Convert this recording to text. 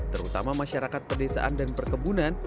terutama masyarakat pedesaan dan perkebunan